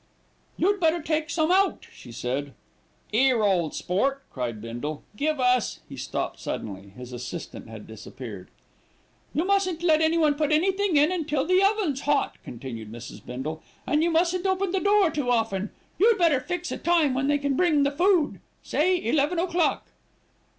"You'd better take some out," she said. "'Ere ole sport," cried Bindle, "give us " he stopped suddenly. His assistant had disappeared. "You mustn't let anyone put anything in until the oven's hot," continued Mrs. Bindle, "and you mustn't open the door too often. You'd better fix a time when they can bring the food, say eleven o'clock."